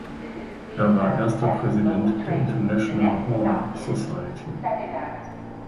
Er war Erster Präsident der International Horn Society.